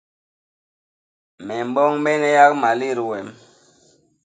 Me mboñbene yak malét wem.